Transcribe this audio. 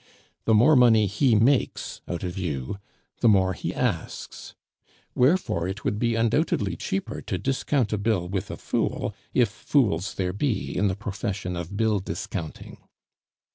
The more money he makes out of you, the more he asks. Wherefore it would be undoubtedly cheaper to discount a bill with a fool, if fools there be in the profession of bill discounting.